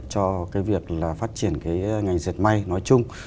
cho cái việc là phát triển cái ngành dệt may nói chung